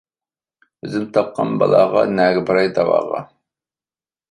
ئۆزۈم تاپقان بالاغا، نەگە باراي دەۋاغا.